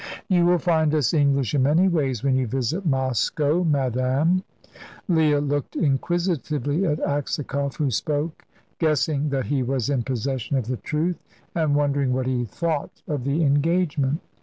"You will find us English in many ways, when you visit Moscow, madame." Leah looked inquisitively at Aksakoff, who spoke, guessing that he was in possession of the truth, and wondering what he thought of the engagement.